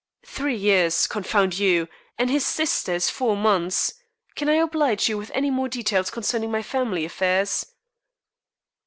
"Three years, confound you, and his sister is four months. Can I oblige you with any more details concerning my family affairs?"